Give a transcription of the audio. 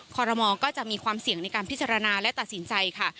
คอรมอลก็จะมีความเสี่ยงในการพิจารณาและตัดสินใจค่ะ